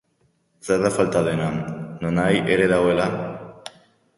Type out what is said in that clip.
Zer da falta dena... nonahi ere dagoela?